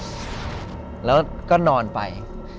แล้วก็นอนไป